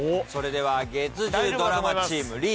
それでは月１０ドラマチーム。